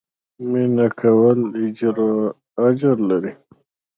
مينه کول اجر لري